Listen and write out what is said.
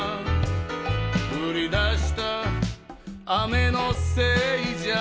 「降り出した雨のせいじゃない」